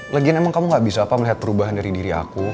lagian emang kamu gak bisa apa melihat perubahan dari diri aku